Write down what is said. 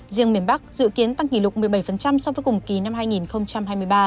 riêng miền bắc dự kiến tăng kỷ lục một mươi bảy so với cùng kỳ năm hai nghìn hai mươi ba